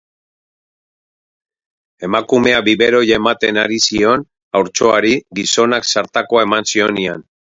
Emakumea biberoia ematen ari zion haurtxoari gizonak zartakoa eman zionean.